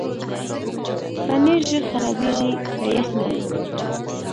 پنېر ژر خرابېږي که یخ نه وي.